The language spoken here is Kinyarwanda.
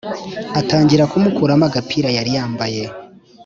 atangira kumukuramo agapira yari yambaye